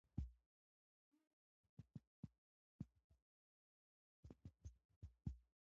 پښتو ژبه زموږ د نیکونو او پلارونو یوه غښتلې میراث ده.